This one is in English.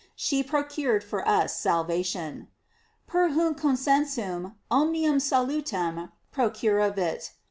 she procured for us salvation: "Per hunc consen sum omnium salutem procuravit."